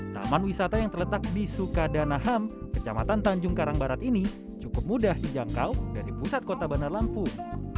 taman wisata yang terletak di sukadanaham kecamatan tanjung karang barat ini cukup mudah dijangkau dari pusat kota bandar lampung